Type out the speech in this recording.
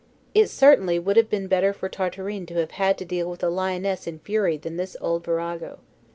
It certainly would have been better for Tartarin to have had to deal with a lioness in fury than this old virago.